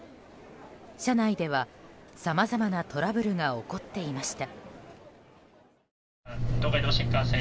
車内では、さまざまなトラブルが起こっていました。